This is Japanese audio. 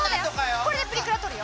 これでプリクラ撮るよ。